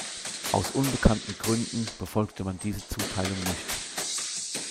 Aus unbekannten Gründen befolgte man diese Zuteilung nicht.